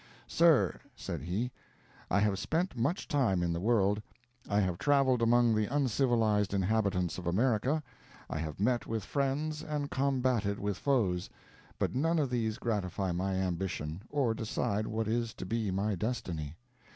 "Sir," said he, "I have spent much time in the world. I have traveled among the uncivilized inhabitants of America. I have met with friends, and combated with foes; but none of these gratify my ambition, or decide what is to be my destiny.